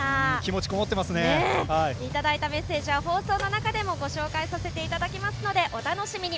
いただいたメッセージは放送の中でもご紹介させていただきますのでお楽しみに。